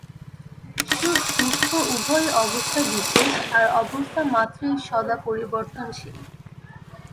সুখ-দুঃখ উভয়ই অবস্থাবিশেষ, আর অবস্থামাত্রেই সদা পরিবর্তনশীল।